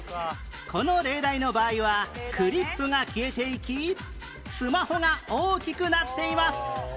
この例題の場合はクリップが消えていきスマホが大きくなっています